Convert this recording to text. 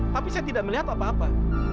tapi saya tidak melihat apa apa